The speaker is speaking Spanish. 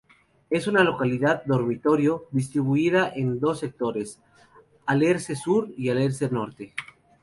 Es una localidad "dormitorio" distribuida en dos sectores Alerce Sur y Alerce Norte.